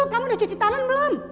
kamu udah cuci tangan belum